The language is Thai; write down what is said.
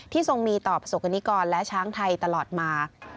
ทรงมีต่อประสบกรณิกรและช้างไทยตลอดมา